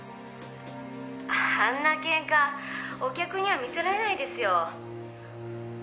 「あんなケンカお客には見せられないですよ」